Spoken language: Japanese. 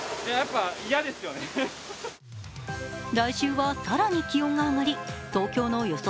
来週は更に気温が上がり東京の予想